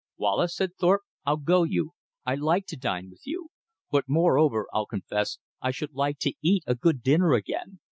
"Wallace," said Thorpe, "I'll go you. I'd like to dine with you; but moreover, I'll confess, I should like to eat a good dinner again.